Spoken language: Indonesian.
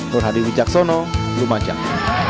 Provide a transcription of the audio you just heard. nur hadi wijaksono lumajang